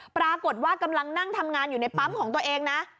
ปรากฏว่ากำลังนั่งทำงานอยู่ในปั๊มของตัวเองนะ